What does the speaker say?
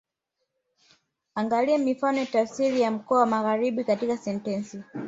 Angalia mifano ya tafsiri ya mkoa wa Magharibi katika sentensi